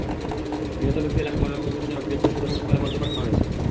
নিহত ব্যক্তির লাশ ময়নাতদন্তের জন্য পিরোজপুর সদর হাসপাতাল মর্গে পাঠানো হয়েছে।